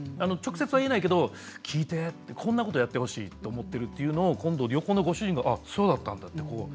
直接は言えないけど聞いて、こんなことやってほしいと思っているというのを横のご主人がそうだったんだって。